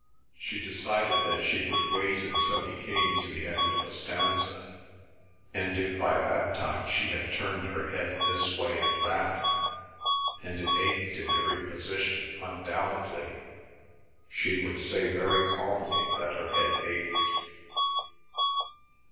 She decided that she would wait until he came to the end of a stanza, and if by that time she had turned her head this way and that, and it ached in every position undoubtedly, she would say very calmly that her head ached.